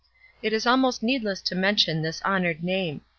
It is almost needless to mention this honoured name.